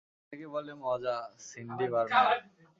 এটাকে বলে মজা, সিন্ডি বারম্যান।